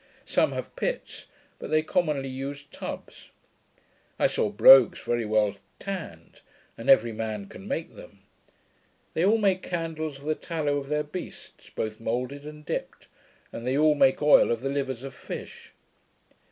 Some have pits; but they commonly use tubs. I saw brogues very well tanned; and every man can make them. They all make candles of the tallow of their beasts, both moulded and dipped; and they all make oil of the livers of fish.